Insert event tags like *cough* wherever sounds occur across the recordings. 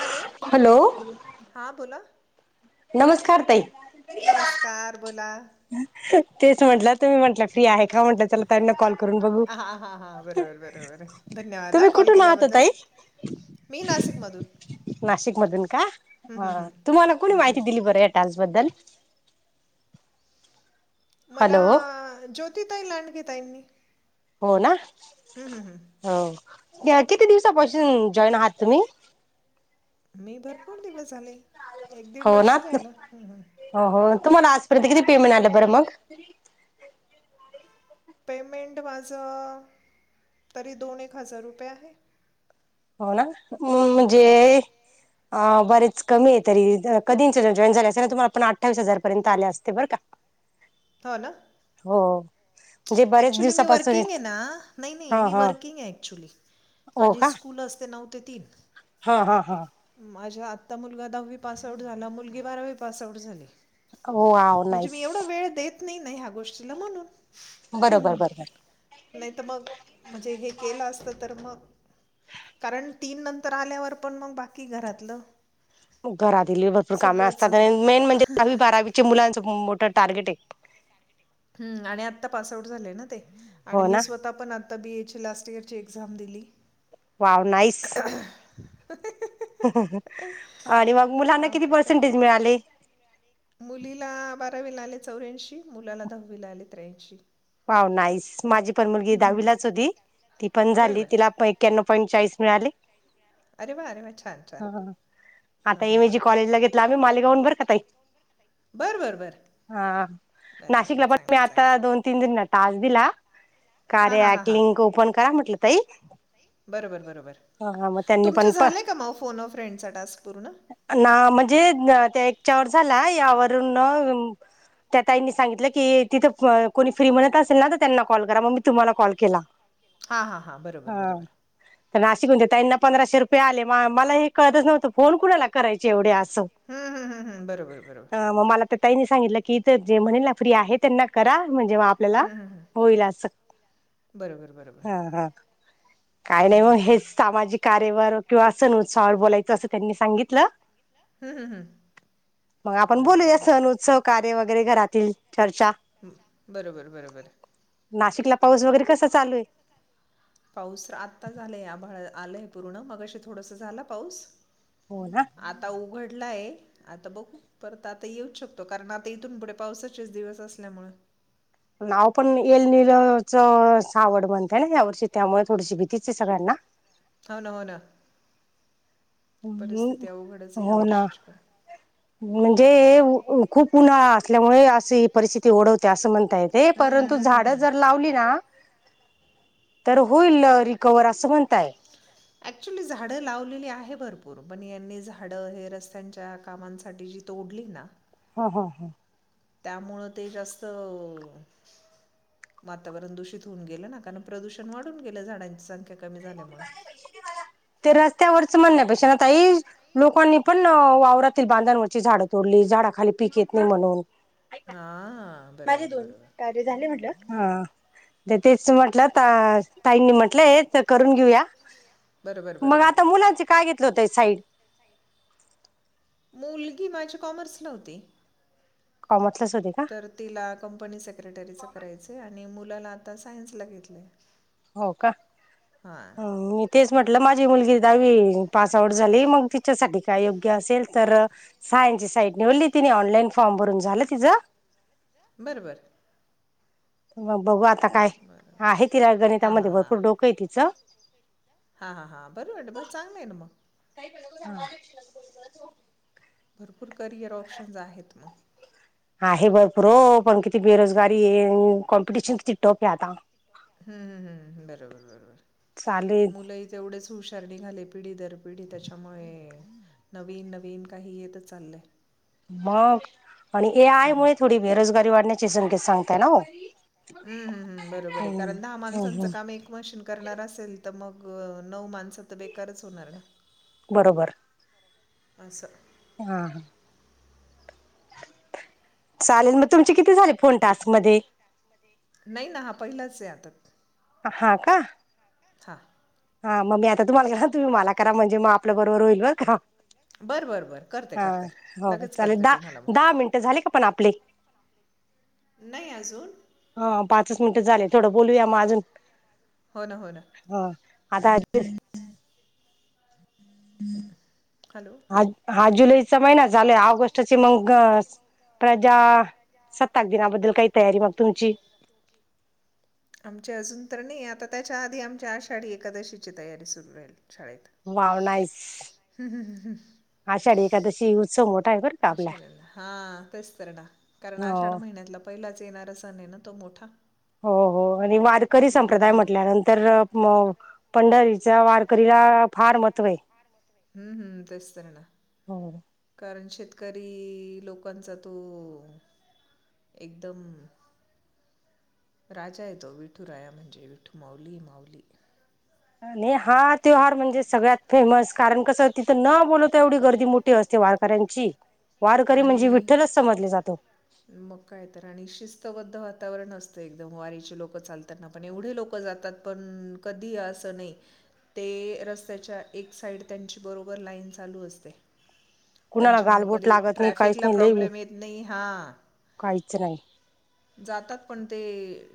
Hello हां बोला. नमस्कार ताई. नमस्कार बोला. तेच म्हटलं तुम्ही म्हटलं फ्री आहे का म्हटलं चला ताईंना कॉलकरू हा हा हा बरोबर बरोबर धन्यवादा तुम्ही ह कॉल कुठून आहात ओ केल्याबद्दल. ताई मी, नाशिक मधून. नाशिक मधून का? तुम्हाला कोणी हं माहिती दिली हं बरं या टास्क बद्दल. मला, हॅलो ज्योति ताई लांडगे ताईंनी. हो ना. हो. किती दिवसापासून जॉईन आहात तुम्ही? मी भरपूर दिवस झाले. एक -दीड हो वर्ष ना झालं. हो हो तुम्हाला आजपर्यंत किती पेमेंट आलं? बरं मग. पेमेंट माझं तरी दोन ऐक हजार रुपये आहे. हो ना. म हं हं म्हणजे अ बरेच कमी आहे तरी, कधीं जॉईन झाले असते तर आणि तुम्हाला पण अठ्ठावीस हजार पर्यंत आले असते, बरं का. ह हो, ना. हो. म्हणजे बरेच ऍक्च्युली मी वर्किंग आहे दिवसापासून ना, नाही, हा नाही, मी हा वर्किंग आहे ऍक्च्युली. हो माझी का स्कूल असते ना हा हा हा. माझा आत्ता मुलगा दहावी पास आउट झाला. मुलगी बारावी पासआऊट झाली. वाव म्हणजे नाईस मी एवढा वेळ देत नाही, नाही ह्या गोष्टीला म्हणून. बरोबर बरोबर नाही तर मग म्हणजे हे केलं असत तर मग, कारण तीन नंतर आल्यावर पण मग बाकी घरातलं घरात ही लय भरपूर कामे सगळंच असतात. आणि मेन म्हणजे दहावी बारावीच्या मुलांच मोठ टारगेट आहे. हू आणि आता पास आउट झाले ना ते, आणि हो मी ना स्वतः पण आता बी ए ची लास्ट इयर ची एक्झाम दिली. वाव! नाईस! आणि मग मुलांना किती त्यामुळे काय पर्सेंटेज मिळाले? मुलीला बारावी ला आले चौऱ्यांऐशी मुलाला दहावी ला आले त्र्यांऐशी. Wow nice, ! माझी पण मुलगी दहावीलाच होती, ती पण बरं झाली बरं तिला पण एक्याअणो पाईन्ट चाळीस मिळाले. अरे वा अरे वा छान छान ह हां आता हे हां मी हां जी कॉलेजला घेतला आम्ही मालेगावहून, बरं का ताई. बरं बरं बरं हा. बरं बरं नाशिकला पण चांगलं मी आहे, चांगलं आता आहे. दोन तीन टास्क दिला. हां हां कार्या हां ऍप हां लिंक ओपन करा म्हटलं ताई. बरोबर बरोबर. ह हा मग त्यांनी पण तुमचे प झाले का मग फोन अ फ्रेंडचा टास्क पूर्ण ना -म्हणजे ते वर झाला यावरून त्या ताईनी सांगितलं की, तिथं कोणी फ्री मिळत असेल, ना तर त्यांना कॉल करा. मग मी तुम्हाला कॉल केला. हा हा हा बरोबर बरोबर. तिकूंच्या ताईना पंधराशे रुपयाे आले, मला हे कळतचं नव्हंत फोन कुणाला करायचे येवढे? आ हम् हम्म हम् हम् बरोबर बरोबर. मग मला त्या ताईंनी सांगितलं की इथं जे म्हणेल ना, फ्री आहे, त्यांना करा. म्हणजे म आपल्याला हं, हं, हं. होईल असं. बरोबर बरोबर हा हा. काय हं, नाहीओ, हं, मग हं. हेच सामाजिक कार्यावर किंवा अ सण उत्सवावर बोलायचं असं त्यांनी सांगितलं. हं, हं, हं. मग आपण बरोबर बोलूया, सण, बरोबर उत्सव कार्य वगैरे. घरातील चर्चा- बरोबर बरोबर. नाशिकला पाऊस वगैरे कसा चालू आहे पाऊस आता झालाय. *unintelligible* आलय पूर्ण. मगाशी थोडा सा झाला पाऊस हो ना आता उघडल. नाही आता बघू परत आता येऊच शकतो, कारण आता इथून पुढे पावसाचेच दिवस असल्यामुळे नाव पण येल न येल च सावड म्हनतेय ना या वर्षी. त्यामुळे थोडीशी भीतीच आहे सगळ्यांना. होना होना. हम्म परिस्थिती अवघड आहे च ह्या हो ना वर्षीची पण. म्हणजे खूप उन्हाळा असल्यामुळे अस ही परिस्थिती ओढवते असं म्हण हम्म परंतु हम्म झाड हम्म हम्म जर लावली ना. तर होईल रिकवर असं म्हणताय. अऍक्च्युली झाड लावलेली आहे भरपूर पण यांनी झाड हे रस्त्यांच्या कामांसाठी तोडली ना. हो, हो, हो, त्यामुळं ते जास्त वातावरण दूषित होऊन गेलं ना कारण प्रदूषण वाढून गेलं झाडांची संख्या, कमी झाल्यामुळे ते रस्त्यावरच म्हणण्या त ताई लोकांनी पण वावरातील बांधांवरची झाडं तोडली झाडा खाली पीक येत नाही म्हणून. हा. माझे दोन कार्य झाले म्हटलं. तेच म्हटलं ताईंनी म्हटलं हे. घेऊया बरोबर मग बरोबर आता मुलां काय घेतलं होत साईड. मुलगी माझ्या कॉमर्सला होती. कॉमर्सलाच होते का तर तिला कंपनी सेक्रेटरी करायच आणि मुलाला आता सायन्स ला घेतलय. हो का मी तेच म्हटलं माझी मुलगी दहावी. पास आऊट झाली मग तिच्यासाठी काय योग्य असेल तर सायन्स ची साई निवडली तिने ऑनलाईन फॉर्म. भ रून झालं तिझं. बरोबर. मग बघू आता काय बरं आहे तिला हां गणितामध्ये भरपूर डोकं आहे तिचं. हा हा हा बरं वाट मग चांगलं आहे ना मग हाहा भरपूर करिअर ऑप्शन्स आहेत मग. आहे भरपूर हो पण किती बेरोजगारी कॉम्पिटिशन ति टोप आहे आता. हम् हम् हम्म बरोबर बरोबर. चालेल मुलंही तेवढेच हुशारणी नि घाले पिढी दर पिढी त्याच्यामुळे नवीन नवीन काही येत चाललंय. मग आणि ए आय मु हां थोडी बेरोजगारी वाढण्याचे संगेत सांगताय ना हो. हम्म हम् हम् बरोबर आहे हम्म कारण दहा हम्म माणसांचं हम्म काम एक मशीन करणार असेल तर मग ग नऊ माणसं तर बेकारच होणार ना. बरोबर. अससं हा हा. चालेल मग तुमचे किती झाले फोन टास्क मध्ये. नाही ना हा पहिलाच आहे आताात. हा कहा. हा. हा मग मी आता तुम्हाला करा तुम्ही मला करा म्हणजे म आप बरोबर होईल बर का. बरं बरं बरं करते हा करते हो लगेच ले करते दहा तुम्हाला मग दहा मिनट झाली का पण आपले हा. नाही अजून हा पाच मिनिटं झाले थोडं बोलूया मग अजून. हो ना हो ना. आ हॅलो आ हा जुलैचा महिना झालाय ऑगस्ट मग. प्रजासत्ताक दिनाबद्दल काही तयारी मग तुमची. आमचे अजून तर नाही आता त्याच्या आधी आमच्या आषाढी एकादशीची तयारी सुरू राहील. शाळेत वाव नाहीस आषाढी एखादशी उत्सव मोठा आहे बरं का आपला अशा हा तेच तर ना कारण हो आषाढ महिन्यातला पहिलाच येणारा सण आहे ना तो मोठा हो हो आणि वारकरी आपले संप्रदाय हिंदू म्हटल्यानंतर मग पंढरीच्या वारकरीला फार महत्त्व आहे. हम्म हम्म तेच तर ना हो कारण शेत शेतकरी लोकांचा तो एकदम राजा येतो विठूराया म्हणजे विठू माऊली माऊली आणि हा त्योहार म्हणजे सगळ्यात फेमस कारण कसं तिथं न बोलवता एवढी गर्दी मोठी असते. वारकऱ्यांची वारकरी म्हणजे आणि विठ्ठलच समजले जातो. मग काय तर आणि शिस्तबद्ध वातावरण असतं एकदम वारीची लोक चालताना पण एवढे लोक जातात पण कधी असं नाही ते रस्त्याच्या एक साईड त्यांची बरोबर लाईन चालू असतें. कुणाला गालबोट लागत नाही काहीच ट्रॅफिकला नाही लई प्रॉब्लेम येत नाही हा? काहीच नाही जातात पण ते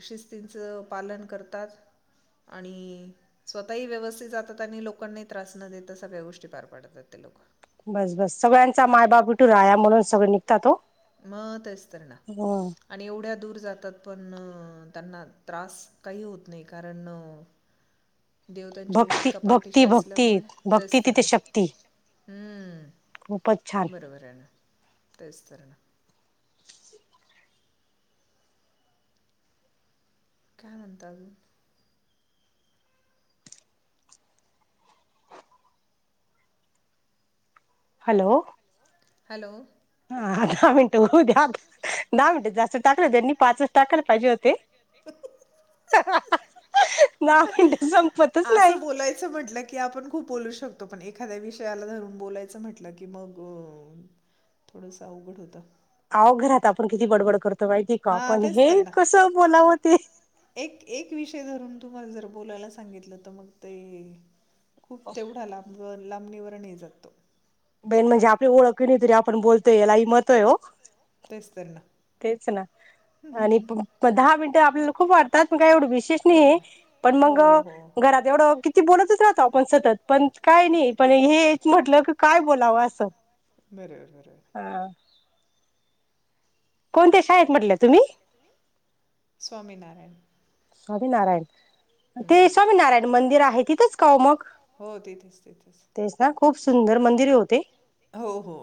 शिस्तीचं पालन करतात. आणि स्वतःही व्यवस्थित जातात आणि लोकांना त्रास न देत सगळ्या गोष्टी पार पाडतात ते लोक बस बस सगळ्यांचा मायबाप विटू राया म्हणून सगळं निघतात मग आहेच तर ना हं आणि एवढ्या दूर जातात पण त्यांना त्रास काही होत नाही कारण देव त्यांच्या भक्ती इतका पाठीशी भक्ती भक्ती असल्यामुळे भक्ती तेच तर तिथे ना शक्ती खूपच छान हम्म बरोबर आहे ना तेच तर ना काय म्हणता आजून? हॅलो. हॅलो. हा दहा मिनटं होऊ द्या दहा मिनटं जास्त टाकलं त्यांनी पाच टाकायला पाहिजे होते. ना दहा मिनिट संपतच नाही. असं बोलायचं म्हटलं की आपण खूप बोलू शकतो पण एखाद्या विषयाला धरून बोलायचं म्हंटलं की मग थोडस अवघड होतं. अव घरात आपण किती बडबड करतो. माहिती का हां पण तेच हे तर ना कसं बोलावं ते एक एक विषय धरून तुम्हाला जर बोलायला सांगितलं तर मग ते खूप तेवढं लांबणीवर नि जातातो बाईण म्हणजे आपली ओळख नाही तरी आपण बोलतोय याला ही महत्व हो तेच तर ना तेच ना आणि दहा मिनटं आपल्याला खूप वाटतात. का एवढं विशेष कळलं नाही ना. पण मग हो हो घरात एवढं किती बोलतच राहतो आपण सतत पण काय नाही पण हेच म्हटलं की काय बोलावं असं बरोबर बरोबर. हा कोणत्या शाळेत म्हटलं तुम्ही स्वामीनारायण स्वामीनारायण. हं, ते हं. स्वामीनारायण मंदिर आहे तिथंच का मग हो तिथेच तिथेच तेच ना? खूप सुंदर मंदिरे ओ ते. हो हो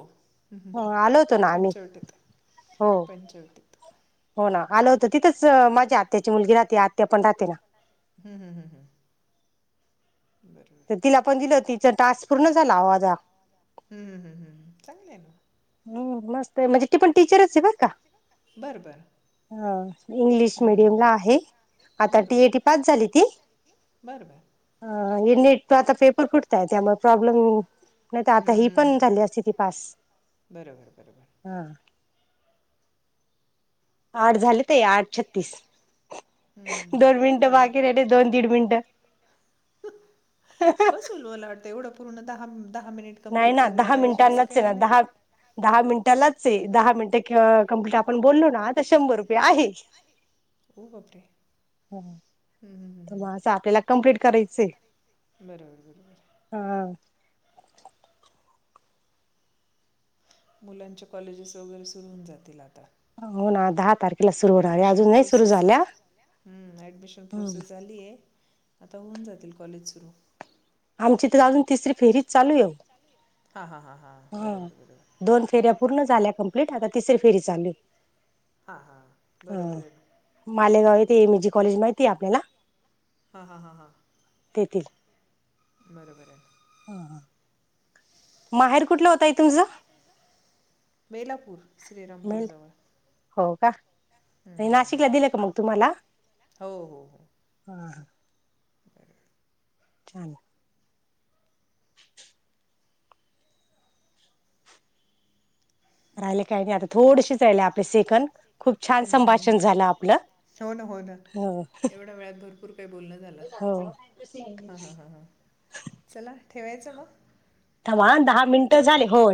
हो आलो होतो ना आम्ही पंचवटीत हो पंचवटीत. हो ना आलं होतं तिथंच माझ्या आत्याची मुलगी राहते आत्या पण राहते ना हम्म हम्म हम्म हम्म. तर तिला पण दिलं तिच टास्क पूर्ण झाला आहो माझा हम्म हम्म चांगली आहे ना. हम्म मस्त आहे म्हणजे ती पण टीचरच आहे बरं का? बरं बरं हा इंग्लिश हं, हं, हं. मिडियम ला आहे. आता बरं टी ए टी बरं पास झाली ती. बरं बरं. अ हे निट च आता पेप फुटल्याय त्यामुळे प्रॉब्लेम नाही त आता ही पण हं, झाली असती ती पास. बरोबर *unintelligible* हा आठ झाले ताई आठ छत्तीस. दोन हम्म बस मिनिटं झालं. बाकी राहिले दोन तीड मिनिटं. बस होर्रल मला वाटतं एवढं पूर्ण दहा दहा मिनिट नाही कंप्लीट ना करायला दहा पाहिजे असं मिनिटांनाच काही आहे ना नाही दहा दहा मिनटां दहा मिनिटे कंप्लीट आपण बोललो ना आता शंभर रुपये आहे. वो बापरे! हम्म हम्म तर हम्म मग असं हम्म. आपल्याला कम्प्लीट करायचंय. बरोबर. हा. मुलांच्या कॉलेजेस वगैरे सुरु होऊन जातील आता. हो ना दहा तारीख. ऍडमिशन प्रोसेस्म हम्म ऍडमिशन प्रोसेस झालीय. आता होऊन जातील कॉलेज सुरू. आमची तर अजून तिसरी फेरीच चालू येव. हा हा हा. हा दोन फेऱ्या पूर्ण झाल्या कंप्लीट, आता तिसरी फेरी चालूय. हा हा बरोबर आहे ना. ते मी जे कॉलेज माहिती आहे आपल्याला? हा हा हा हा. येतील. बरोबर आहे. माहेर कुठल हो ताई? बेलापूर श्रीरामपूरजवळ. हो का नी नाशिकला दिलं का मगं तुम्हाला? हो हो हो. *unintelligible* छान! *inaudible* राहिले काही नाही आता, थोडशीच राहिले आपले सेकंद खूप छान हम्म हम्म हम्म. संभाषण झालं आपलं. हो ना हो ना एवढ्या वेळात भरपूर काही बोलणं झालं हो हम्म हम्म हम्म हम्म. चला ठेवायचं मगं? थांबा हां दहा मिनिटं झाले हो.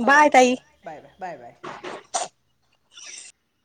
हो बाय ताई चला बाय बाय बाय बाय. *inaudible*